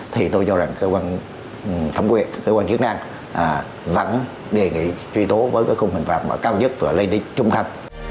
thì tôi cho rằng cơ quan thống quyền cơ quan chức năng vẫn đề nghị truy tố với cái khung hình phạt mà cao nhất và lây lý trung thành